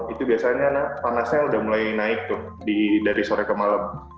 itu biasanya panasnya udah mulai naik tuh dari sore ke malam